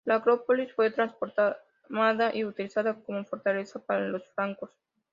La acrópolis fue transformada y utilizada como fortaleza por los francos.